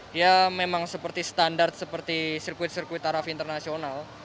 dia memang seperti standar seperti sirkuit sirkuit taraf internasional